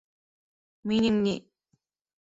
Минең ни...